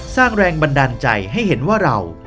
สร้างแรงบันดาลใจให้เห็นว่าเรา